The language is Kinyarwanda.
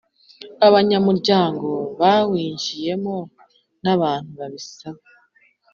Abanyamuryango bawinjiyemo n abantu babisaba